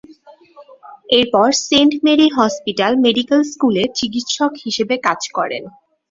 এরপর Saint Mary hospital medical স্কুলে চিকিৎসক হিসেবে কাজ করেন।